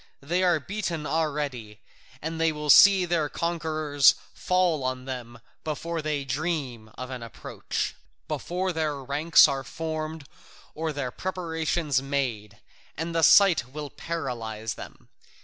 They are beaten already, and they will see their conquerors fall on them before they dream of an approach, before their ranks are formed or their preparations made, and the sight will paralyse them.